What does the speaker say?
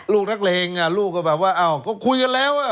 ลูกนักเลงลูกก็แบบว่าอ้าวก็คุยกันแล้ว